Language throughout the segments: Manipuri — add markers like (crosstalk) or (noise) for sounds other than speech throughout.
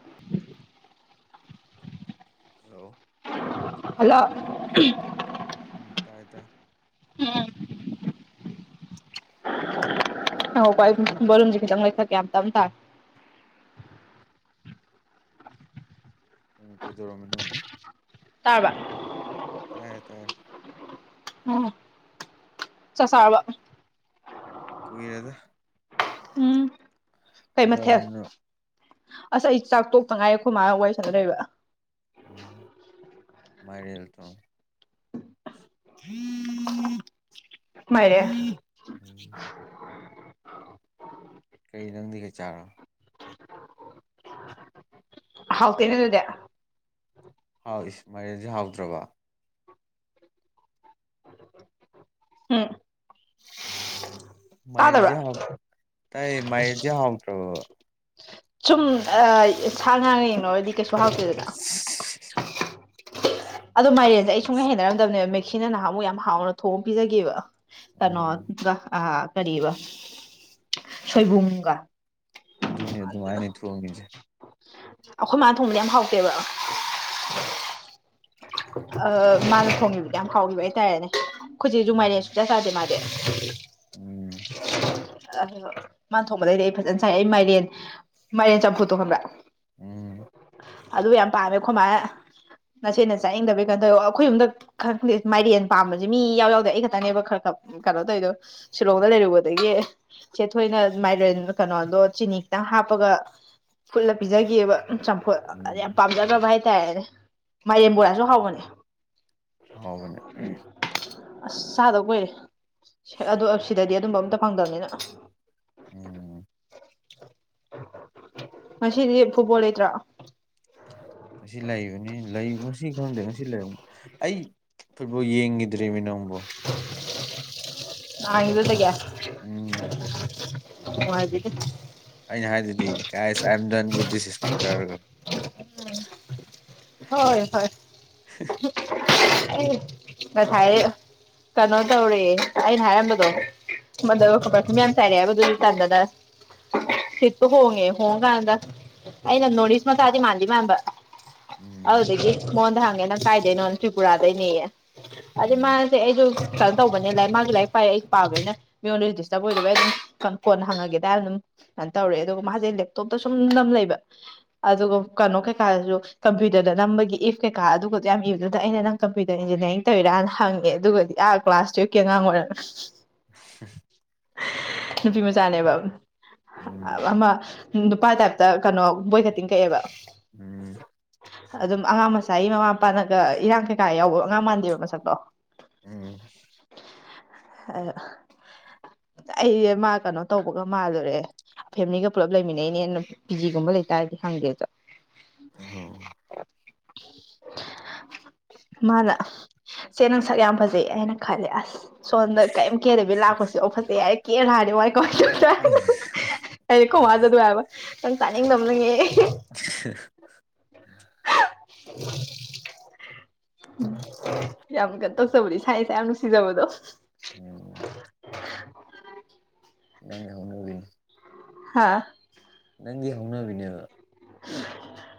(inaudible) ꯍꯜꯂꯣ ꯍꯜꯂꯣ (unintelligible) ꯎꯝ ꯇꯥꯏ ꯇꯥꯏ ꯎꯝ ꯉꯥꯏꯈꯣꯀꯣ ꯑꯩ ꯀꯩꯅꯣ ꯕꯣꯂꯨꯝꯁꯦ ꯈꯤꯇꯪ ꯂꯩꯈꯠꯀꯦ ꯌꯥꯝ ꯇꯝ ꯇꯥꯏ ꯎꯝ ꯀꯩꯗꯧꯔꯝꯃꯤꯅꯣ ꯇꯥꯔꯕ ꯇꯥꯏꯌꯦ ꯇꯥꯏꯌꯦ ꯎꯝ ꯆꯥꯛ ꯆꯥꯔꯕ ꯀꯨꯏꯔꯦꯗ ꯎꯝ ꯀꯩ ꯃꯊꯦꯜ ꯀꯩꯗꯧꯔꯝꯃꯤꯅꯣ ꯑꯁ ꯑꯩ ꯆꯥꯛ ꯇꯣꯛꯇ ꯉꯥꯏꯔꯤ ꯑꯈꯣꯏ ꯃꯥꯒ ꯋꯥꯔꯤ ꯁꯥꯟꯅ ꯂꯩꯕ ꯎꯝ ꯃꯥꯏꯔꯦꯜ ꯇꯣꯡꯉꯤ (unintelligible) ꯃꯥꯏꯔꯦ ꯎꯝ ꯀꯔꯤ ꯅꯪꯗꯤ ꯀꯩ ꯆꯥꯔ ꯍꯥꯎꯇꯦꯅꯦ ꯑꯗꯨꯗꯤ ꯍꯥꯎ ꯏꯁ ꯃꯥꯏꯔꯦꯟꯁꯦ ꯍꯥꯎꯇ꯭ꯔꯕ ꯎꯝ ꯇꯥꯗꯕ꯭ꯔꯥ ꯃꯥꯏꯔꯦꯟꯖꯦ ꯍꯥꯎ ꯇꯥꯏꯌꯦ ꯃꯥꯏꯔꯦꯟꯖꯦ ꯍꯥꯎꯇ꯭ꯔꯕꯕ ꯁꯨꯝ ꯑꯥ ꯁꯥ ꯉꯥꯒ ꯌꯦꯡꯅꯔꯨꯔꯗꯤ ꯀꯩꯁꯨ ꯍꯥꯎꯇꯦꯗꯅ ꯑꯗꯣ ꯃꯥꯏꯔꯦꯟꯁꯦ ꯑꯩ ꯁꯨꯡꯍꯩ ꯍꯩꯅꯔꯝꯗꯕꯅꯦꯕ ꯃꯦꯛꯁꯤꯅ ꯅꯍꯥꯟꯃꯨꯛ ꯌꯥꯝ ꯍꯥꯎꯅ ꯊꯣꯡꯑ ꯄꯤꯖꯒꯤꯕ ꯎꯝ ꯀꯩꯅꯣꯒ ꯑ ꯀꯔꯤꯕ ꯁꯣꯏꯕꯨꯝꯒ ꯑꯗꯨꯅꯤ ꯑꯗꯨꯃꯥꯏꯅꯅꯤ ꯊꯣꯡꯉꯤꯖꯦ ꯑꯈꯣꯏ ꯃꯥꯅ ꯊꯣꯡꯕꯗꯤ ꯌꯥꯝ ꯍꯥꯎꯇꯦꯕ ꯑ ꯃꯥꯅ ꯊꯣꯡꯉꯤꯕꯗꯤ ꯌꯥꯝ ꯍꯥꯎꯒꯤꯕ ꯍꯥꯏꯇꯥꯔꯦꯅꯦ ꯑꯈꯣꯏꯆꯦꯖꯨ ꯃꯥꯏꯔꯦꯟ ꯎꯝ ꯁꯨꯡꯆꯥꯥ ꯆꯥꯗꯦ ꯃꯥꯗꯤ ꯎꯝ ꯑ ꯃꯥꯟ ꯊꯣꯡꯕꯗꯩꯗꯤ ꯑꯩ ꯐꯖꯅ ꯆꯥꯏ ꯑꯩ ꯃꯥꯏꯔꯦꯟ ꯃꯥꯏꯔꯦꯟ ꯆꯝꯐꯨꯠꯇꯣ ꯈꯪꯕ꯭ꯔꯥ ꯎꯝ ꯑꯗꯨ ꯌꯥꯝ ꯄꯥꯝꯃꯦ ꯑꯈꯣꯏ ꯃꯥꯅ ꯅꯆꯦꯅ ꯆꯥꯅꯤꯡꯗꯕꯩ ꯀꯩꯅꯣ ꯇꯧ ꯑꯈꯣꯏ ꯌꯨꯝꯗ ꯈꯪꯗꯦ ꯃꯥꯏꯔꯦꯟ ꯄꯥꯝꯕꯁꯦ ꯃꯤ ꯏꯌꯥꯎ ꯌꯥꯎꯗꯦ ꯑꯩ ꯈꯛꯇꯅꯦꯕ ꯈꯔ ꯈꯔ ꯀꯩꯅꯣ ꯇꯧꯋꯤꯗꯣ ꯁꯤꯂꯣꯡꯗ ꯂꯩꯔꯨꯕꯗꯒꯤ ꯆꯦ ꯊꯣꯏꯅ ꯃꯥꯏꯔꯦꯟ ꯀꯩꯅꯣꯗꯣ ꯆꯤꯅꯤ ꯈꯤꯇꯪ ꯍꯥꯞꯄꯒ ꯐꯨꯠꯂ ꯄꯤꯖꯈꯤꯑꯕ ꯎꯝ ꯆꯝ ꯍꯣꯏ ꯑ ꯎꯝ ꯌꯥꯝ ꯎꯝ ꯄꯥꯝꯖꯈ꯭ꯔꯕ ꯍꯥꯏꯇꯥꯔꯦꯅꯦ ꯃꯥꯏꯔꯦꯟ ꯕꯣꯔꯥꯁꯨ ꯍꯥꯎꯕꯅꯦ ꯍꯥꯎꯕꯅꯦ ꯑꯁ ꯆꯥꯗꯕ ꯀꯨꯏꯔꯦ ꯁꯦ ꯑꯗꯨ ꯑꯁ ꯗꯗꯤ ꯑꯗꯨꯝꯕ ꯑꯝꯇ ꯐꯪꯗꯕꯅꯤꯅ ꯎꯝ ꯉꯁꯤꯗꯤ ꯐꯨꯠꯕꯣꯜ ꯂꯩꯇ꯭ꯔꯥ ꯉꯁꯤ ꯂꯩꯕꯅꯤ ꯂꯩ ꯉꯁꯤ ꯈꯪꯗꯦ ꯉꯁꯤ ꯂꯩꯔꯝ ꯑꯩ ꯐꯨꯠꯕꯣꯜ ꯌꯦꯡꯒꯗ꯭ꯔꯦꯃꯤ ꯅꯪꯕꯨ (unintelligible) ꯎꯝ (unintelligible) ꯅꯨꯡꯉꯥꯏꯕꯤꯗꯦ ꯑꯩꯅ ꯍꯥꯏꯗꯨꯗꯤ guys I am done with this sport ꯍꯥꯏꯔꯒ ꯍꯣꯏ ꯍꯣꯏ (unintelligible) ꯑꯩ ꯉꯁꯥꯏꯗꯤ ꯀꯩꯅꯣ ꯇꯧꯔꯦ ꯑꯩꯅ ꯍꯥꯏꯔꯝꯕꯗꯣ (unintelligible) ꯃꯌꯥꯝ ꯆꯥꯏꯔꯦꯕ ꯑꯗꯨꯖꯨ ꯇꯟꯗꯅ ꯁꯤꯠꯇꯣ ꯍꯣꯡꯉꯦ ꯍꯣꯡꯀꯥꯟꯗ ꯑꯩꯅ ꯅꯣꯔꯠ ꯏꯁ ꯃꯆꯥꯗꯤ ꯃꯥꯟꯗꯤ ꯃꯥꯟꯕ ꯎꯝ ꯑꯗꯨꯗꯒꯤ ꯃꯉꯣꯟꯗ ꯍꯪꯉꯦ ꯅꯪ ꯀꯥꯏꯗꯩꯅꯣꯅ ꯇ꯭ꯔꯤꯄꯨꯔꯥꯗꯩꯅꯦ ꯑꯗꯨꯗꯩ ꯎꯝ ꯃꯥꯁꯦ ꯑꯩꯗꯨ ꯀꯩꯅꯣ ꯇꯧꯕꯅꯦ ꯂꯥꯏ ꯃꯥꯖꯨ ꯂꯥꯏꯔꯤꯛ ꯑꯩꯁꯨ (unintelligible) ꯃꯤꯉꯣꯟꯗꯁꯨ ꯗꯤꯁꯇꯔꯕ ꯑꯣꯏꯗꯕ ꯑꯩ ꯑꯗꯨꯝ ꯀꯟ ꯀꯣꯟꯅ ꯍꯪꯉꯒꯦꯗꯅ ꯑꯗꯨꯝ ꯑꯟ ꯇꯧꯔꯛꯑꯦ ꯑꯗꯨꯒ ꯃꯥꯁꯦ ꯂꯦꯞꯇꯣꯞꯇ ꯁꯨꯝ ꯅꯝ ꯂꯩꯕ ꯑꯗꯨꯒ ꯀꯩꯅꯣ ꯀꯩꯀꯥꯗꯁꯨ ꯀꯝꯄ꯭ꯌꯨ ꯇꯔꯗ ꯅꯝꯕꯒꯤ ꯏꯐ ꯀꯩꯀꯥ ꯑꯗꯨꯒꯗꯣ ꯌꯥꯝ ꯏꯕꯗꯨꯗ ꯑꯩꯅ ꯅꯪ ꯀꯝꯄ꯭ꯌꯨꯇꯔ ꯏꯟꯖꯤꯅꯤꯌꯥꯔꯤꯡ ꯇꯧꯔꯅ ꯍꯪꯉꯦ ꯑꯗꯨꯒꯗꯤ ꯑꯥ ꯀ꯭ꯂꯥꯁ ꯇꯨꯌꯦꯞ ꯀꯤ ꯑꯉꯥꯡ ꯑꯣꯏꯔꯦ (unintelligible) ꯅꯨꯄꯤ ꯃꯆꯥꯅꯦꯕ ꯎꯝ ꯑꯃ ꯅꯨꯄꯥ ꯇꯥꯏꯞꯇ ꯀꯩꯅꯣ ꯕꯣꯏ ꯀꯇꯤꯡ ꯀꯛꯑꯦꯕ ꯎꯝ ꯑꯗꯨꯝ ꯑꯉꯥꯡ ꯃꯆꯥꯒꯤ ꯃꯃꯥ ꯃꯄꯥꯅꯒ ꯏꯔꯥꯡ ꯀꯩꯀꯥ ꯌꯥꯎꯕ ꯑꯉꯥꯡ ꯃꯥꯟꯗꯦꯕ ꯃꯁꯛꯇꯣ ꯎꯝ ꯑ ꯑꯩ ꯃꯥ ꯀꯩꯅꯣ ꯇꯧꯕꯒ ꯃꯥꯜꯂꯨꯔꯦ ꯐꯦꯃꯦꯂꯤꯒ ꯄꯨꯂꯞ ꯂꯩꯃꯤꯟꯅꯩꯅꯦ ꯄꯤ ꯖꯤꯒꯨꯝꯕ ꯂꯩꯇꯥꯔꯗꯤ ꯍꯪꯗꯦ ꯆꯠ ꯑꯣ ꯃꯥꯅ ꯆꯦ ꯅꯪ ꯁꯛ ꯌꯥꯝ ꯐꯖꯩ ꯍꯥꯏꯅ ꯈꯜꯂꯦ ꯑꯁ ꯁꯣꯝꯗ ꯀꯔꯤꯝ ꯀꯦꯗꯕꯤ ꯂꯥꯛꯄꯁꯤ ꯐꯥꯎ ꯐꯖꯩ ꯌꯥꯏꯔꯦ ꯀꯦꯔ ꯂꯥꯛꯑꯗꯤ ꯋꯥꯏ ꯀꯣꯏ ꯑꯩ ꯀꯣꯃꯥꯖꯨ ꯑꯗꯨ ꯍꯥꯏꯕ ꯅꯪ ꯇꯥꯅꯤꯡꯗꯕꯅ ꯉꯦ (unintelligible) ꯌꯥꯝ ꯀꯩꯅꯣ ꯇꯣꯖꯕꯗꯣ ꯏꯁꯥ ꯏꯁꯥ ꯌꯥꯝ ꯅꯨꯡꯁꯤꯖꯕꯗꯣ (unintelligible) ꯅꯪꯒꯤ ꯍꯧꯅꯕꯤ ꯍꯥꯥ ꯅꯪꯒꯤ ꯍꯧꯅꯕꯤꯅꯦꯕ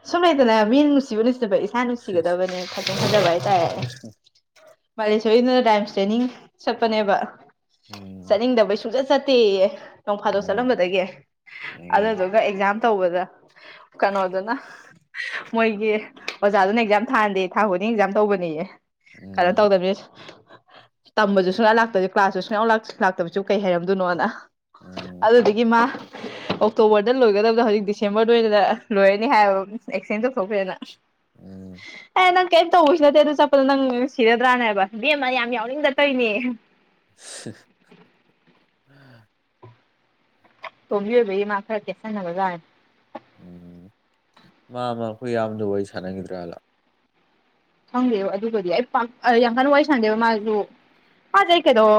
ꯁꯨꯝ ꯂꯩꯗꯅ ꯃꯤꯅ ꯅꯨꯡꯁꯤꯕ ꯅꯨꯡꯁꯤꯗꯕ ꯏꯁꯥ ꯅꯨꯡꯁꯤꯒꯗꯕꯅꯦ ꯈꯛꯇꯪ ꯐꯖꯕ ꯍꯥꯏꯇꯥꯔꯦ ꯄꯥꯂꯦꯁꯣꯔꯤꯅ ꯔꯥꯏꯝ ꯇ꯭ꯔꯦꯅꯤꯡ ꯆꯠꯄꯅꯦꯕ ꯎꯝ ꯆꯠꯅꯤꯡꯗꯕꯩ ꯁꯨꯡꯆꯠ ꯆꯠꯇꯦꯌꯦ ꯅꯣꯡ ꯐꯥꯗꯣꯛ ꯎꯝ ꯆꯠꯂꯝꯕꯗꯒꯤ ꯎꯝ ꯑꯗꯨꯗꯨꯒ ꯑꯦꯛꯖꯥꯝ ꯇꯧꯕꯗ ꯀꯩꯅꯣꯗꯨꯅ ꯃꯣꯏꯒꯤ ꯑꯣꯖꯥꯗꯨꯅ ꯑꯦꯛꯖꯥꯝ ꯊꯥꯍꯟꯗꯦ ꯊꯥ ꯈꯩꯗꯤꯡꯒꯤ ꯑꯦꯛꯖꯥꯝ ꯇꯧꯕꯅꯦꯌꯦ ꯑꯗꯥ ꯎꯝ ꯇꯧꯗꯕꯤ ꯇꯝꯕꯁꯨ ꯁꯨꯛꯂꯥꯛꯇꯕ ꯀ꯭ꯂꯥꯁꯁꯨ ꯁꯨꯡꯌꯥꯎ ꯂꯥꯛꯇꯕꯁꯨ ꯀꯩ ꯍꯩꯔꯝꯗꯣꯏꯅꯣꯅ ꯎꯝ ꯑꯗꯨꯗꯨꯒꯤ ꯃꯥ ꯑꯣꯛꯇꯣꯕꯔꯗ ꯂꯣꯏꯒꯗꯕꯗ ꯍꯧꯖꯤꯛ ꯗꯤꯁꯦꯝꯕꯔꯗ ꯑꯣꯏꯅ ꯂꯣꯏꯔꯅꯤ ꯍꯥꯏ ꯑꯦꯛꯁꯗꯦꯟ ꯇꯧꯊꯣꯛꯈꯔꯦꯅ ꯎꯝ ꯑꯦ ꯅꯪ ꯀꯔꯤꯝ ꯇꯧꯕꯁꯨ ꯅꯠꯇꯦ ꯑꯗꯨ ꯆꯠꯄꯗꯣ ꯅꯪ ꯁꯤꯔꯗ꯭ꯔꯥꯅ ꯍꯥꯏꯕ ꯏꯕꯦꯝꯃ ꯌꯥꯝ ꯌꯥꯎꯅꯤꯡꯗ ꯇꯧꯏꯅꯦ (unintelligible) ꯑꯇꯣꯝꯕꯤ ꯑꯣꯏꯕ ꯃꯥ ꯈ꯭ꯔ ꯀꯦꯁꯟꯅꯕꯖꯥꯅꯦ ꯎꯝ ꯃꯥꯝꯃ ꯑꯩꯈꯣꯏ ꯑꯖꯥꯝꯕꯗꯨꯒ ꯋꯥꯔꯤ ꯁꯥꯟꯅꯈꯤꯗ꯭ꯔꯥꯂꯥ ꯈꯪꯗꯦꯕ ꯑꯗꯨꯒꯗꯤ ꯑꯩ ꯄꯥꯛ ꯌꯥꯝ ꯀꯟꯅ ꯋꯥꯔꯤ ꯁꯥꯟꯅꯗꯦꯕ ꯃꯥꯁꯨ ꯐꯖꯩ ꯀꯩꯗꯧ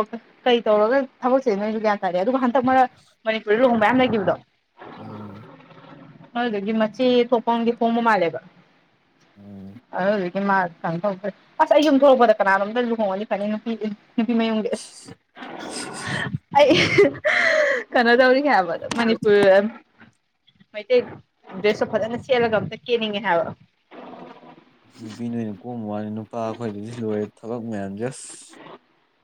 ꯀꯩ ꯇꯧꯔꯒ ꯊꯕꯛꯁꯦ ꯅꯣꯏꯁꯨ ꯒꯌꯥꯟ ꯌꯥꯗꯦ ꯑꯗꯨꯒ ꯍꯟꯗꯛ ꯃꯔꯛ ꯃꯅꯤꯄꯨꯔꯗ ꯂꯨꯍꯣꯡꯕ ꯃꯌꯥꯝ ꯂꯩꯈꯤꯕꯗꯣ ꯎꯝ ꯑꯗꯨꯗꯨꯒꯤ ꯃꯆꯦ ꯊꯣꯛꯄ ꯑꯃꯒꯤ ꯍꯣꯡꯕ ꯃꯥꯜꯂꯦꯕ ꯎꯝ ꯑꯗꯨꯗꯨꯒꯤ ꯃꯥ ꯀꯩꯅꯣ ꯇꯧꯔꯛꯇ꯭ꯔꯦ ꯑꯁ ꯑꯩ ꯌꯨꯝ ꯊꯣꯛꯣꯔꯂꯛꯄꯗ ꯀꯅꯥꯅꯣꯝꯇ ꯂꯨꯍꯣꯡꯉꯅꯤ ꯐꯅꯤ ꯅꯨꯄꯤ ꯅꯨꯄꯤ ꯃꯌꯨꯝꯒꯤ ꯑꯩ ꯀꯩꯅꯣ ꯇꯧꯅꯤꯡꯉꯦ ꯍꯥꯏꯕ ꯃꯅꯤꯄꯨꯔ ꯃꯩꯇꯩ ꯗ꯭ꯔꯦꯁ ꯇꯨ ꯐꯖꯅ ꯁꯦꯠꯂꯒ ꯑꯝꯇ ꯀꯦꯅꯤꯡꯉꯦ ꯍꯥꯏꯕ ꯅꯨꯄꯤ ꯅꯣꯏꯅ ꯀꯣꯝꯕ ꯋꯥꯅꯤ ꯅꯨꯄꯥ ꯑꯩꯈꯣꯏꯗꯤ ꯍꯧꯖꯤꯛ ꯂꯣꯏꯔꯦ ꯊꯕꯛ ꯃꯌꯥꯝꯁꯦ ꯑꯁ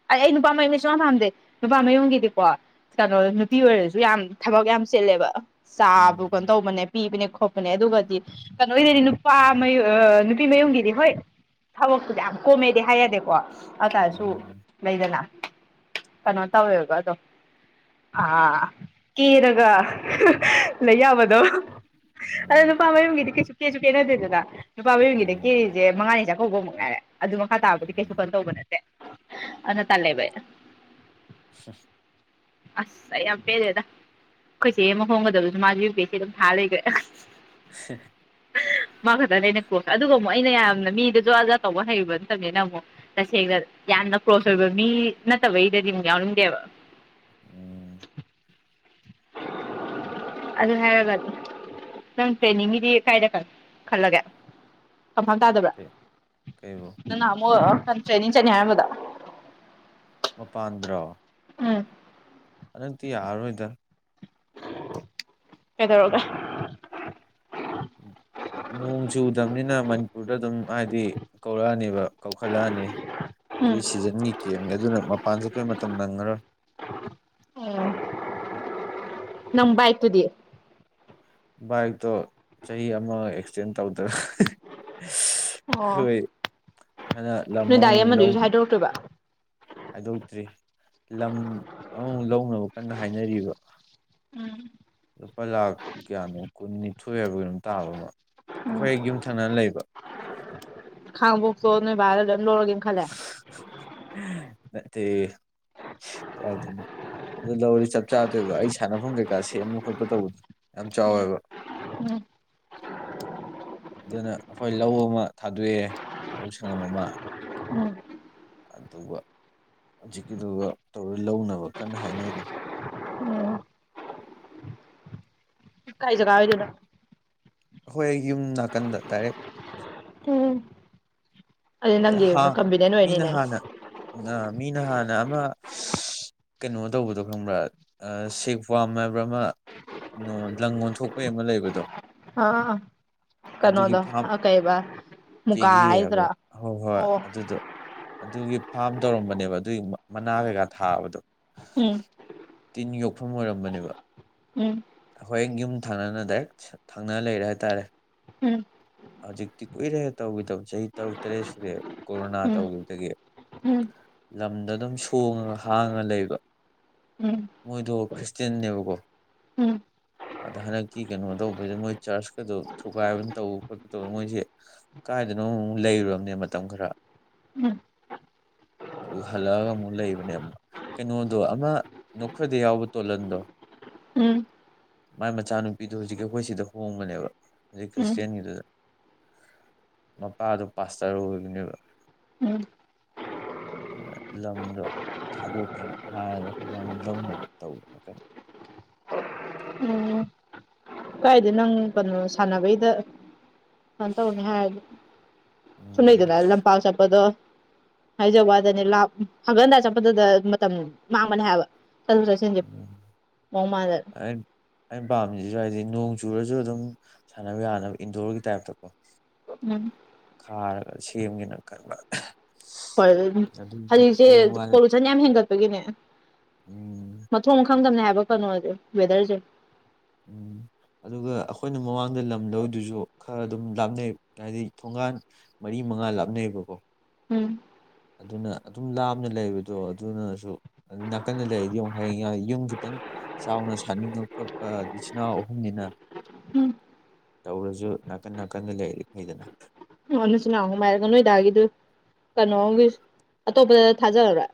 ꯑꯩ ꯑꯩ ꯅꯨꯄꯥ ꯃꯌꯨꯝꯗꯤ ꯁꯨꯡꯄꯥꯝ ꯄꯥꯝꯗꯦ ꯅꯨꯄꯥ ꯃꯌꯨꯝꯒꯤꯗꯤꯀꯣ ꯀꯩꯅꯣ ꯅꯨꯄꯤ ꯑꯣꯏꯔꯁꯨ ꯌꯥꯝ ꯊꯕꯛ ꯌꯥꯝ ꯆꯤꯦꯜꯂꯦꯕ ꯆꯥꯕꯨ ꯀꯩꯅꯣ ꯎꯝ ꯇꯧꯕꯅꯦ ꯄꯤꯕꯅꯦ ꯈꯣꯠꯄꯅꯦ ꯑꯗꯨꯒꯗꯤ ꯀꯩꯅꯣꯒꯤꯗꯗꯤ ꯅꯨꯄꯥ ꯃꯌ ꯅꯨꯄꯤ ꯃꯌꯨꯝꯒꯤꯗꯤ ꯍꯣꯏ ꯊꯕꯛꯇꯨꯗꯤ ꯌꯥꯝ ꯀꯣꯝꯃꯦꯗꯤ ꯍꯥꯏ ꯌꯥꯗꯦꯀꯣ ꯑꯗꯨꯇꯥꯔꯁꯨ ꯎꯝ ꯂꯩꯗꯅ ꯀꯩꯅꯣ ꯇꯧꯋꯦꯕ ꯑꯗꯣ ꯑꯥ ꯀꯦꯔꯒ ꯂꯩ ꯌꯥꯕꯗꯣ ꯑꯗꯣ ꯎꯝ ꯅꯨꯄꯥ ꯃꯌꯨꯝꯒꯤꯗꯤ ꯀꯩꯁꯨ ꯀꯦꯁꯨ ꯀꯦꯅꯗꯦꯗꯅ ꯅꯨꯄꯥ ꯃꯌꯒꯤꯗ ꯀꯦꯖꯤꯁꯦ ꯃꯉꯥꯅꯤ ꯆꯥꯛꯀꯧꯕ ꯃꯨꯛ ꯉꯥꯏꯔꯦ ꯑꯗꯨ ꯃꯈꯥ ꯇꯥꯕꯗꯤ ꯀꯩꯁꯨ ꯎꯝ ꯀꯟ ꯇꯧꯕ ꯅꯠꯇꯦ ꯑꯅ ꯇꯂꯦꯕ ꯍ ꯑꯁ ꯑꯩ ꯌꯥꯝ ꯄꯦꯟꯗꯦꯗꯥ ꯑꯩꯈꯣꯏꯆꯦ ꯑꯃ ꯍꯣꯡꯒꯗꯕꯗꯨꯁꯨ ꯃꯥꯁꯨ ꯌꯨ ꯄꯤ ꯑꯦꯁ ꯁꯤ ꯑꯗꯨꯝ ꯊꯥ ꯂꯩꯒ꯭ꯔꯦ ꯑꯍ (unintelligible) ꯍꯍ ꯃꯥ ꯈꯛꯇꯅꯦ ꯑꯩꯅ ꯀ꯭ꯂꯣꯁ ꯑꯗꯨꯒ ꯑꯃꯨꯛ ꯑꯩꯅ ꯌꯥꯝꯅ ꯃꯤꯗꯣ ꯖꯣꯖꯥ ꯖꯣꯖꯥ ꯇꯧꯕ ꯍꯩꯕ ꯅꯠꯇꯕꯅꯤꯅ ꯑꯃꯨꯛ ꯇꯁꯦꯡꯅ ꯌꯥꯝꯅ ꯀ꯭ꯂꯣꯁ ꯑꯣꯏꯕ ꯃꯤ ꯅꯠꯇꯕꯒꯤꯗꯗꯤ ꯑꯃꯨꯛ ꯌꯥꯎꯅꯤꯡꯗꯦꯕ ꯎꯝ ꯑꯗꯨ ꯍꯥꯏꯔꯒ ꯅꯪ ꯇ꯭ꯔꯦꯅꯤꯡꯒꯤꯗꯤ ꯀꯥꯏꯗ ꯈ ꯈꯜꯂꯒꯦ ꯀꯝꯐꯥꯝ ꯇꯥꯗꯕ꯭ꯔꯥ ꯀꯩ ꯀꯩꯕꯨ ꯅꯪ ꯅꯍꯥꯟꯃꯨꯛ ꯑ ꯀꯟ ꯇ꯭ꯔꯦꯅꯤꯡ ꯆꯠꯅꯤ ꯍꯥꯏꯔꯝꯕꯗꯣ ꯃꯄꯥꯟꯗꯔꯣ ꯎꯝ ꯍꯟꯗꯛꯇꯤ ꯌꯥꯔꯔꯣꯏꯗ ꯀꯩꯗꯧꯔꯒꯦ (unintelligible) ꯅꯣꯡ ꯆꯨꯗꯕꯅꯤꯅ ꯃꯅꯤꯄꯨꯔꯗ ꯑꯗꯨꯝ ꯍꯥꯏꯗꯤ ꯀꯧꯔꯛꯑꯅꯦꯕ ꯀꯧꯈꯠꯂꯛꯑꯅꯤ ꯄ꯭ꯔꯤ ꯎꯝ ꯁꯤꯖꯟꯒꯤ ꯀꯦꯝꯒꯤ ꯑꯗꯨꯅ ꯃꯄꯥꯟ ꯆꯠꯄꯩ ꯃꯇꯝ ꯅꯪꯉꯔꯣꯏ ꯑꯣ ꯅꯪ ꯕꯥꯥꯏꯛꯇꯨꯗꯤ ꯕꯥꯏꯛꯇꯣ ꯆꯍꯤ ꯑꯃ ꯑꯦꯛꯁꯇꯦꯟ ꯇꯧꯗꯅ ꯍꯍ ꯁꯁ ꯑꯣ ꯈꯣꯏ ꯍꯟꯗꯛ ꯂꯝ ꯅꯣꯏ ꯗꯥꯒꯤ ꯑꯃꯃꯨꯛ ꯂꯧ ꯑꯃꯗꯨꯒꯤꯁꯨ ꯍꯥꯏꯗꯣꯔꯛꯇꯣꯏꯕ ꯍꯥꯏꯗꯣꯛꯇ꯭ꯔꯤ ꯂꯝ ꯑꯃꯃꯨꯛ ꯂꯧꯅꯕ ꯀꯟꯅ ꯍꯥꯏꯅꯔꯤꯕ ꯎꯝ ꯂꯨꯄꯥ ꯂꯥꯛ ꯀꯌꯥꯅꯣ ꯀꯨꯟꯅꯤꯊꯣꯏ ꯍꯥꯏꯕ꯭ꯔꯥ ꯀꯩꯅꯣꯝ ꯇꯥꯥꯕ ꯑꯃ ꯑꯩꯈꯣꯏ ꯍꯦꯛ ꯌꯨꯝ ꯊꯪꯅ ꯂꯩꯕ ꯈꯥꯡꯉꯕꯣꯛ ꯇꯣ ꯅꯣꯏ ꯕꯥꯅ ꯂꯣꯏꯝ ꯂꯧꯔꯒꯦꯅ ꯈꯜ ꯍꯍ ꯅꯠꯇꯦꯍꯦ ꯏꯁ ꯀꯥꯏꯗꯩꯅꯣ ꯑꯗꯨ ꯂꯧꯔꯗꯤ ꯆꯞ ꯆꯥꯗꯣꯏꯕ ꯑꯩ ꯁꯥꯟꯅꯐꯝ ꯀꯩꯀꯥ ꯁꯦꯝꯕ ꯈꯣꯠꯄ ꯇꯧꯕꯗꯣ ꯌꯥꯝ ꯆꯥꯎꯋꯦꯕ ꯎꯝ ꯑꯗꯨꯅ ꯑꯩꯈꯣꯏ ꯂꯧ ꯑꯃ ꯊꯥꯗꯣꯛꯑꯦ ꯂꯧ ꯁꯪꯉꯝ ꯑꯃ ꯑꯗꯨꯒ ꯍꯧꯖꯤꯛꯀꯤꯗꯨꯒ ꯇꯧꯔ ꯂꯧꯅꯕ ꯀꯟꯅ ꯍꯥꯏꯅꯔꯤ ꯎꯝ ꯀꯥꯏ ꯖꯒꯥ ꯑꯣꯏꯗꯣꯏꯅꯣ ꯑꯩꯈꯣꯏ ꯍꯦꯛ ꯌꯨꯝ ꯅꯥꯀꯟꯗ ꯗꯥꯏꯔꯦꯛ ꯎꯝ (unintelligible) ꯃꯤꯅ ꯑꯣꯏꯅꯤꯅꯦ ꯍꯥꯟꯅ ꯑꯥ ꯃꯤꯅ ꯍꯥꯟꯅ ꯑꯃ ꯁꯁ ꯀꯩꯅꯣ ꯇꯧꯕꯗꯣ ꯈꯪꯕ꯭ꯔꯥ ꯑ ꯁꯦꯛ ꯋꯥꯝ ꯍꯥꯏꯕ꯭ꯔꯥ ꯑꯃ ꯅꯣ ꯂꯪ ꯑꯣꯟꯊꯣꯛꯄꯩ ꯑꯃ ꯂꯩꯕꯗꯣ ꯑꯥ ꯑꯥ ꯑꯥ ꯑꯗꯨꯒꯤ ꯀꯩꯅꯣꯗꯣ ꯐꯥꯝ ꯑ ꯀꯩꯕ ꯃꯨꯀꯥ ꯀꯦꯒꯤ ꯍꯥꯏꯗ꯭ꯔꯥ ꯍꯥꯏꯕ꯭ꯔꯥ ꯍꯣꯏ ꯍꯣꯏ ꯑꯣ ꯑꯗꯨꯗꯣ ꯑꯗꯨꯒꯤ ꯐꯥꯝ ꯇꯧꯔꯝꯕꯅꯦꯕ ꯑꯗꯨꯒꯤ ꯃ ꯃꯅꯥ ꯀꯩꯀꯥ ꯊꯥꯕꯗꯣ ꯎꯝ ꯇꯤꯟ ꯌꯣꯛꯐꯝ ꯑꯣꯏꯔꯝꯕꯅꯦꯕ ꯎꯝ ꯑꯩꯈꯣꯏ ꯍꯦꯛ ꯌꯨꯝ ꯊꯪꯅꯅ ꯗꯥꯏꯔꯦꯛ ꯊꯪꯅ ꯂꯩꯔꯦ ꯍꯥꯏꯇꯥꯔꯦ ꯎꯝ ꯍꯧꯖꯤꯛꯇꯤ ꯀꯨꯏꯔꯦꯍꯦ ꯇꯧꯒꯤꯗꯕ ꯆꯍꯤ ꯇꯔꯨꯛ ꯇꯔꯦꯠꯁꯤꯗꯤ ꯀꯣꯔꯣꯅꯥ ꯎꯝ ꯇꯧꯒꯤꯕꯗꯒꯤ ꯎꯝ ꯂꯝꯗꯣ ꯑꯗꯨꯝ ꯁꯣꯡꯉꯒ ꯍꯥꯡꯉ ꯂꯩꯕ ꯎꯝ ꯎꯝ ꯃꯣꯏꯗꯣ ꯈ꯭ꯔꯤꯁꯇꯦꯟꯅꯦꯕꯀꯣ (unintelligible) ꯑꯗ ꯍꯟꯗꯛꯀꯤ ꯀꯩꯅꯣ ꯇꯧꯕꯁꯤꯗ ꯃꯣꯏ ꯆꯔꯆꯀꯗꯣ ꯊꯨꯒꯥꯏꯕ ꯇꯧꯕ ꯈꯣꯠꯄ ꯇꯧꯕ ꯃꯣꯏꯁꯦ ꯀꯥꯏꯗꯅꯣ ꯑꯃꯨꯛꯃꯨꯛ ꯂꯩꯔꯨꯔꯕꯅꯦ ꯃꯇꯝ ꯈꯔ (unintelligible) ꯑꯗꯨ ꯍꯜꯂꯛꯑꯒ ꯑꯃꯨꯛ ꯂꯩꯕꯅꯦꯕ ꯀꯩꯅꯣꯗꯣ ꯑꯃ ꯅꯣꯛꯐꯗ‌ꯦ ꯌꯥꯎꯕ ꯇꯣꯂꯟꯗꯣ ꯎꯝ ꯃꯥꯏ ꯃꯆꯥꯅꯨꯄꯤꯗꯣ ꯍꯧꯖꯤꯛꯀꯤ ꯑꯩꯈꯣꯏ ꯁꯤꯗ ꯍꯣꯡꯕꯅꯦꯕ ꯍꯧꯖꯤꯛ ꯎꯝ ꯈ꯭ꯔꯤꯁꯇꯌꯥꯅꯒꯤꯗꯨꯗ ꯃꯄꯥꯗꯣ ꯄꯥꯁꯇꯔ ꯑꯣꯏꯕꯅꯦꯕ ꯎꯝ (inaudible) ꯑꯗꯨꯅ ꯂꯝꯗꯣ ꯊꯥꯗꯣꯛꯀꯦꯅ ꯍꯥꯏꯔꯒ ꯑꯩꯈꯣꯏ ꯕꯥꯅ ꯂꯧꯅꯕ ꯇꯧꯋꯦꯅ ꯀꯩꯅꯣ ꯎꯝ ꯀꯥꯏꯗꯩ ꯅꯪ ꯀꯩꯅꯣ ꯁꯥꯟꯅꯕꯩꯗ ꯇꯧꯅꯤ ꯍꯥꯏ ꯎꯝ ꯐꯨꯅꯩꯗꯅ ꯂꯝꯄꯥꯛ ꯆꯠꯄꯗ ꯍꯥꯏꯖꯕꯋꯥꯗꯅꯤ ꯂꯥ ꯍꯟꯒꯠ ꯍꯟꯗꯥ ꯆꯠꯄꯗꯨꯗ ꯃꯇꯝ ꯃꯥꯡꯕꯅꯦ ꯍꯥꯏꯕ ꯆꯠꯔ‌ꯣꯛ ꯆꯠꯁꯤꯟꯁꯤ ꯎꯝ ꯃꯥꯑꯣꯡ ꯃꯥꯟꯗꯅꯥ ꯑꯩ ꯑꯩꯅ ꯄꯥꯝꯁꯤꯁꯨ ꯍꯥꯏꯗꯤ ꯅꯣꯡ ꯆꯨꯔꯁꯨ ꯑꯗꯨꯝ ꯁꯥꯟꯅꯕ ꯌꯥꯅꯕ ꯏꯟꯗꯣꯔꯒꯤ ꯇꯥꯏꯞꯇꯀꯣ ꯎꯝ ꯈꯥꯔꯒ ꯁꯦꯝꯒꯦꯅ ꯈꯟꯕ ꯍ‌ꯣꯏ ꯑꯗꯨꯝ ꯑꯗꯨꯒꯤ ꯍꯧꯖꯤꯛꯁꯦ ꯍꯌꯦꯡ ꯋꯥꯏ ꯐꯅꯌꯥꯝ ꯍꯦꯟꯒꯠꯄꯒꯤꯅꯦ ꯎꯝ ꯃꯊꯣꯡ ꯃꯈꯥꯡꯗꯝꯅꯦ ꯍꯥꯏꯕ ꯀꯩꯅꯣꯁꯦ ꯋꯦꯗꯔꯁꯦ ꯎꯝ (inaudible) ꯑꯗꯨꯒ ꯑꯩꯈꯣꯏꯅ ꯃꯃꯥꯡꯗ ꯂꯝꯗꯧꯔꯤꯗꯨꯁꯨ ꯈꯔ ꯑꯗꯨꯝ ꯂꯥꯞꯅꯩ ꯍꯥꯏꯗꯤ ꯊꯣꯡꯒꯥꯟ ꯃꯔꯤ ꯃꯉꯥ ꯂꯥꯞꯅꯩꯌꯦꯕꯀꯣ ꯎꯝ ꯑꯗꯨꯅ ꯑꯗꯨꯝ ꯂꯥꯞꯅ ꯂꯩꯕꯗꯣ ꯑꯗꯨꯅꯁꯨ ꯑꯗꯨ ꯅꯥꯀꯟꯗ ꯂꯩꯔꯗꯤ ꯌ‌ꯣꯡ ꯍꯌꯦꯡ ꯌꯨꯝ ꯈꯤꯇꯪ ꯆꯥꯎꯅ ꯁꯥꯅꯤꯡꯕ ꯈꯣꯠꯄ ꯏꯆꯤꯜ ꯏꯅꯥꯎ ꯑꯍꯨꯝꯅꯤꯅ ꯎꯝ ꯇꯧꯔꯁꯨ ꯅꯥꯀꯟ ꯅꯥꯀꯟꯗ ꯂꯩꯔꯗꯤ ꯐꯩꯗꯅ ꯑꯣ ꯅꯆꯅꯥꯎ ꯑꯍꯨꯝ ꯍꯥꯏꯔꯒ ꯅꯣꯏꯗꯥꯒꯤꯗꯨ ꯀꯩꯅꯣꯒꯤ ꯑꯇꯣꯞꯄꯗ ꯊꯥꯖꯔꯔ‌ꯣꯏ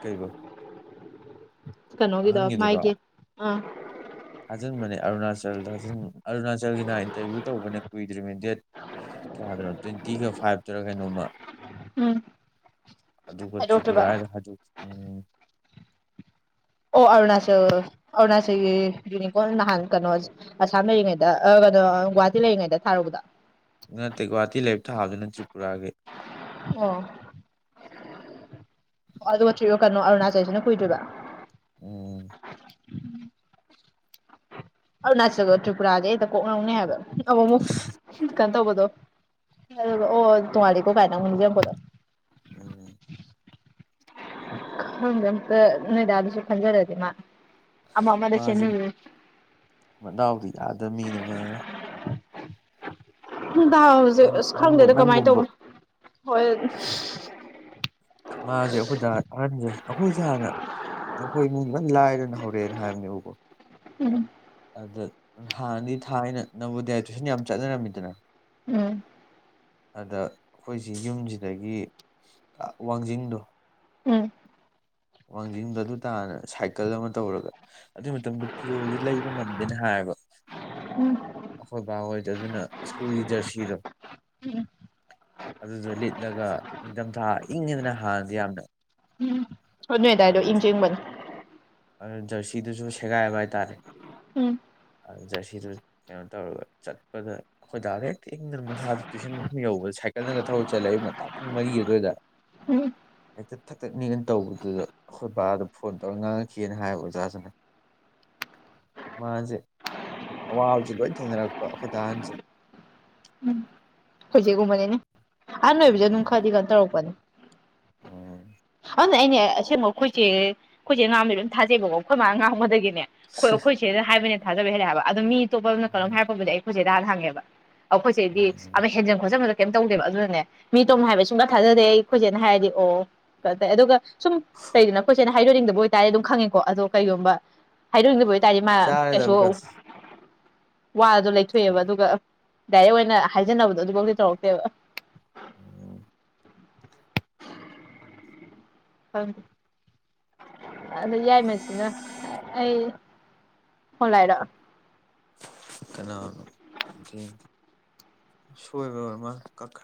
ꯀꯩꯕꯣ ꯀꯩꯅꯣꯒꯤꯗꯣ ꯑꯍꯟꯒꯤꯗꯨꯔ‌ꯣ ꯃꯥꯒꯤ ꯑꯥ ꯊꯥꯖꯤꯟꯕꯅꯦ ꯑꯔꯨꯅꯥꯆꯜ ꯑꯔꯨꯅꯥꯆꯜꯒꯤ ꯅꯍꯥꯟ ꯏꯟꯇꯔꯚ꯭ꯌꯨ ꯇꯧꯕꯅꯦ ꯀꯨꯏꯗ꯭ꯔꯤꯅꯤ ꯗꯦꯠ ꯀꯌꯥꯗꯅꯣ ꯇ꯭ꯋꯦꯟꯇꯤꯒ ꯐꯥꯏꯚꯇꯔ ꯀꯩꯅꯣꯝꯃ ꯎꯝ ꯑꯗꯨꯒ ꯇ꯭ꯔꯤꯄꯨꯔꯥ ꯍꯥꯏꯗꯣꯛꯇ꯭ꯔꯤꯕ ꯍꯥꯏ ꯎꯝ ꯑꯣ ꯑꯔꯨꯅꯥꯆꯜ ꯑꯔꯨꯅꯥꯆꯜꯒꯤ ꯌꯨꯅꯤꯐ‌ꯣꯝ ꯅꯍꯥꯟ ꯀꯩꯅꯣ ꯑꯁꯥꯝ ꯂꯩꯔꯤꯉꯩꯗ ꯑ ꯀꯩꯅꯣ ꯒꯨꯍꯥꯇꯤ ꯂꯩꯔꯤꯉꯩꯗ ꯊꯥꯔꯨꯕꯗ ꯅꯠꯇꯦ ꯒꯨꯍꯥꯇꯤ ꯂꯩꯔ ꯊꯥꯕꯗꯨꯅ ꯇ꯭ꯔꯤꯄꯨꯔꯥꯒꯤ ꯑꯣ ꯑꯣ ꯑꯗꯨꯒ ꯀꯩꯅꯣ ꯑꯔꯨꯅꯥꯆꯜꯁꯤꯅ ꯀꯨꯏꯗꯣꯏꯔꯤꯕ ꯎꯝ ꯑꯔꯨꯅꯥꯆꯜꯒ ꯇ꯭ꯔꯤꯄꯨꯔꯥꯖ‌ꯦ ꯍ‌ꯦꯛꯇ ꯀꯣꯛ ꯉꯥꯎꯅꯩ ꯍꯥꯏꯕ ꯑꯃꯨꯛ ꯑꯃꯨꯛ ꯀꯩꯅꯣ ꯇꯧꯕꯗꯣ ꯑꯣ ꯇ‌ꯣꯡꯉꯥꯜꯂꯤ ꯀꯥꯏꯅ ꯑꯃꯨꯛ ꯅꯤꯖꯤꯡꯉꯛꯄꯗ‌ꯣ ꯎꯝ ꯈꯪꯗ‌ꯦ ꯑꯝꯇ ꯅꯣꯏꯗꯥꯗꯨꯁꯨ ꯈꯟꯖꯔꯗꯤ ꯃꯥ ꯑꯃ ꯑꯃꯗ ꯃꯥꯁꯨ ꯆ‌ꯦꯟꯅꯔ ꯃꯗꯥꯎꯗꯤ ꯌꯥꯗ ꯃꯤꯅꯤ ꯃꯥ ꯗꯥꯎꯁ‌ꯦ ꯅꯪ ꯑꯁ ꯅꯪꯕꯨ ꯈꯪꯗꯦꯗ ꯀꯃꯥꯏꯅ ꯅꯪꯒꯨꯝꯕ ꯇꯧꯕꯅ‌ꯣ ꯍꯣꯏ ꯃꯥꯁꯦ ꯑꯩꯈꯣꯏ ꯗꯥ ꯑꯍꯟꯅꯤ ꯑꯩꯈꯣꯏꯁꯦ ꯍꯥꯟꯅ ꯑꯩꯈꯣꯏ ꯏꯃꯨꯡ ꯂꯣꯏ ꯂꯥꯏꯔꯅ ꯍꯧꯔꯛꯑꯦꯅ ꯍꯥꯏꯕꯅꯦꯕꯀꯣ ꯎꯝ ꯑꯗ ꯍꯥꯟꯅꯗꯤ ꯊꯥꯏꯅ ꯅꯥꯚ‌ꯣꯗꯌꯥꯏ ꯇꯨꯏꯁꯟ ꯌꯥꯝ ꯆꯠꯅꯔꯝꯃꯤꯗꯅ ꯎꯝ ꯑꯗ ꯑꯩꯈꯣꯏꯁꯤ ꯌꯨꯝꯁꯤꯗꯒꯤ ꯋꯥꯡꯖꯤꯡꯗꯣ ꯎꯝ ꯋꯥꯡꯖꯤꯡꯗꯣ ꯑꯗꯨ ꯇꯥꯅ ꯁꯥꯏꯀꯜ ꯑꯃ ꯇꯧꯔꯒ ꯑꯗꯨꯏ ꯃꯇꯝꯗ ꯐꯤꯔꯣꯜꯁꯨ ꯂꯩꯕ ꯉꯝꯗꯦꯅ ꯍꯥꯏꯌꯦꯕ ꯎꯝ ꯑꯩꯈꯣꯏ ꯕꯥ ꯍꯣꯏꯗ ꯑꯗꯨꯅ ꯁ꯭ꯀꯨꯜꯒꯤ ꯖꯔꯁꯤꯗꯣ ꯑꯗꯨꯗꯣ ꯂꯤꯠꯂꯒ ꯅꯤꯡꯊꯝꯊꯥ ꯏꯪꯉꯤꯗꯅ ꯍꯥꯟꯅꯗꯤ ꯌꯥꯝꯅ ꯊꯣꯗꯣ ꯅꯣꯏ ꯑꯗꯥꯏꯗꯣ ꯏꯪꯁꯨ ꯏꯪꯕꯅꯦ ꯑꯗꯨ ꯖꯔꯁꯤꯗꯨꯁꯨ ꯁꯦꯒꯥꯏꯕ ꯍꯥꯏꯇꯥꯔꯦ ꯎꯝ ꯖꯔꯁꯤꯗꯨ ꯀꯩꯅꯣ ꯇꯧꯔꯒ ꯆꯠꯄꯗ ꯑꯩꯈꯣꯏ ꯗꯥ ꯍꯦꯛꯇ ꯏꯪꯗꯅ ꯃꯁꯥꯗ ꯇꯨꯏꯁꯟ ꯃꯐꯝ ꯌꯧꯕꯗ ꯁꯥꯏꯀꯜꯗꯒ ꯊꯧꯔꯒ ꯆꯠꯂꯦ ꯑꯌꯨꯜ ꯉꯟꯇꯥ ꯄꯨꯡ ꯃꯔꯤ ꯑꯗꯨꯋꯥꯏꯗ ꯎꯝ ꯍꯦꯛꯇ ꯊꯛꯊꯛ ꯅꯤꯛꯑ ꯇꯧꯕꯗꯨꯗ ꯑꯩꯈꯣꯏ ꯕꯥꯗ ꯐꯣꯟ ꯇꯧꯔꯒ ꯉꯥꯡꯉꯛꯈꯤꯅ ꯍꯥꯏꯌꯦꯕ ꯑꯣꯖꯥꯁꯤꯅ (unintelligible) ꯃꯥꯖꯦ ꯑꯋꯥꯕꯁꯤ ꯂꯣꯏ ꯊꯦꯡꯅꯔꯛꯄ ꯑꯩꯈꯣꯏ ꯗꯥ ꯑꯍꯟ ꯖꯦ ꯑꯩꯈꯣꯏ ꯆꯦꯒꯨꯝꯕꯅꯤꯅꯦ ꯑꯍꯟ ꯑꯣꯏꯕꯖꯦ ꯑꯗꯨꯝ ꯈꯔꯗꯤ ꯑꯗꯨꯃꯥꯏ ꯇꯧꯔꯛꯄꯅꯤ ꯑꯣ ꯑꯗꯨꯅꯦ ꯑꯩꯅꯦ ꯑꯁꯦꯡꯕ ꯑꯩꯈꯣꯏꯆꯦ ꯑꯩꯈꯣꯏꯆꯦ ꯉꯥꯡꯕꯗꯤ ꯂꯣꯏꯝ ꯊꯥꯖꯩꯕꯀꯣ ꯑꯩꯈꯣꯏ ꯃꯥꯅ ꯉꯥꯡꯒꯗꯒꯤꯅꯦ ꯑꯩꯈꯣꯏ ꯑꯩꯈꯣꯏ ꯆꯦꯗ ꯍꯥꯏꯕꯅ ꯍꯦꯟꯅ ꯊꯥꯖꯕ ꯍꯦꯟꯂꯦ ꯍꯥꯏꯕ ꯑꯗꯣ ꯃꯤ ꯑꯇꯣꯞꯄ ꯑꯃꯝꯅ ꯀꯩꯅꯣꯝ ꯍꯥꯏꯔꯛꯄꯕꯨꯗꯤ ꯑꯩꯈꯣꯏꯆꯦꯗ ꯍꯥꯟ ꯍꯪꯉꯦꯕ ꯑꯩꯈꯣꯏꯆꯦꯗꯤ ꯎꯝ ꯍꯦꯟꯖꯤꯟ ꯈꯣꯠꯆꯟꯕꯗꯣ ꯀꯩꯝ ꯇꯧꯗꯦꯕ ꯑꯗꯨꯅꯅꯦ ꯃꯤ ꯑꯇꯣꯝꯅ ꯍꯥꯏꯕ ꯑꯩ ꯁꯨꯡꯊꯥ ꯊꯥꯖꯗꯦ ꯑꯩꯈꯣꯏꯆꯦꯅ ꯍꯥꯏꯔꯗꯤ ꯑꯣ ꯇ ꯑꯗꯨꯒ ꯁꯨꯝ ꯂꯩꯗꯅ ꯑꯩꯈꯣꯏꯆꯦꯅ ꯍꯥꯏꯔꯅꯤꯡꯗꯕ ꯑꯣꯏꯇꯥꯔꯦ ꯑꯗꯨꯝ ꯈꯪꯉꯦꯀꯣ ꯑꯗꯣ ꯀꯩꯒꯨꯝꯕ ꯍꯥꯏꯗꯣꯛꯅꯤꯡꯗꯕ ꯑꯣꯏꯇꯥꯔꯗꯤ ꯃꯥ ꯆꯥꯔꯦꯗ ꯀꯩꯁꯨ ꯋꯥꯗꯣ ꯂꯩꯊꯣꯛꯑꯦꯕ ꯑꯗꯨꯒ ꯗꯥꯏꯔꯦꯛ ꯑꯣꯏꯅ ꯍꯥꯏꯖꯅꯕꯗꯣ ꯑꯗꯨꯐꯥꯎꯗꯤ ꯇꯧꯔꯛꯇꯦꯕ ꯎ ꯍꯪ ꯑꯗꯨ ꯌꯥꯏꯃꯁꯤꯅ ꯑꯩ ꯐꯣꯟ ꯂꯥꯛꯏꯔꯣ ꯀꯅꯥꯅꯣ ꯑꯝꯇ ꯌꯦꯡꯒꯦ ꯁꯣꯏꯕ ꯑꯣꯏꯔꯃꯥꯜꯂꯦ ꯀꯛꯈ꯭ꯔꯦ